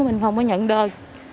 mình không có nhận đơn